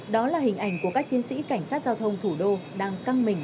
đó là hình ảnh của các chiến sĩ cảnh sát giao thông thủ đô đang căng mình